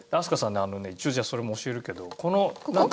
あのね一応じゃあそれも教えるけどこのなんか。